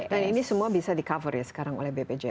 dan ini semua bisa di cover ya sekarang oleh bpjs